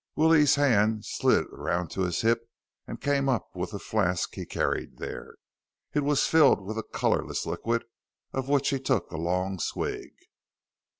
Willie's hand slid around to his hip and came up with the flask he carried there. It was filled with a colorless liquid, of which he took a long swig.